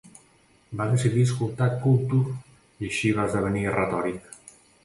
Va decidir escoltar Culture i així va esdevenir retòric.